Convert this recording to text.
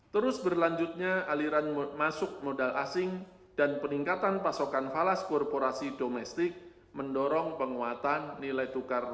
terus berlanjutnya aliran masuk modal asing dan peningkatan pasokan falas korporasi domestik mendorong penguatan nilai tukar rupiah